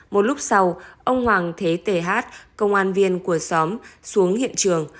một lúc sau ông hoàng thế thề hát công an viên của xóm xuống hiện trường